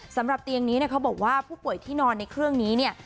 สำหรับเตียงนี้เขาบอกว่าผู้ป่วยที่นอนในเครื่องนี้